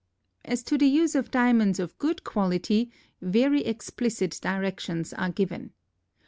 As to the use of diamonds of good quality, very explicit directions are given.